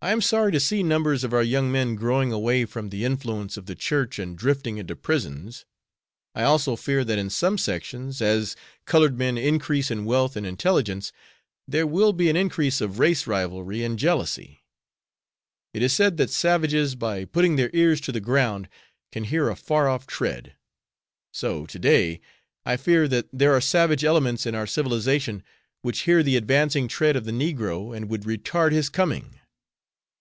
I am sorry to see numbers of our young men growing away from the influence of the church and drifting into prisons. I also fear that in some sections, as colored men increase in wealth and intelligence, there will be an increase of race rivalry and jealousy. It is said that savages, by putting their ears to the ground, can hear a far off tread. So, to day, I fear that there are savage elements in our civilization which hear the advancing tread of the negro and would retard his coming.